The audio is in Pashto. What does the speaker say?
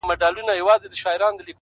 نو د وجود ـ